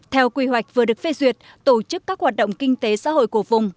theo quy hoạch vừa được phê duyệt tổ chức các hoạt động kinh tế xã hội của vùng